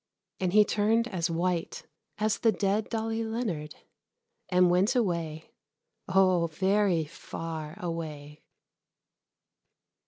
And he turned as white as the dead Dolly Leonard, and went away oh, very far away.